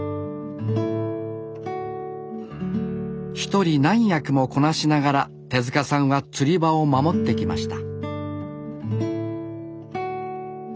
一人何役もこなしながら手さんは釣り場を守ってきました